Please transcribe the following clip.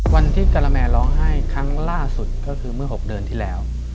วันที่กะละแม่ร้องไห้ครั้งล่าสุดก็คือเมื่อ๖เดือนที่แล้ว